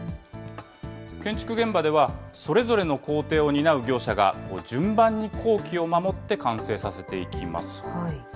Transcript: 建築現場では、それぞれの工程を担う業者が順番に工期を守って完成させていきます。